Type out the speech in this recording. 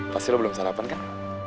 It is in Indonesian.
pasti lo belum sarapan kan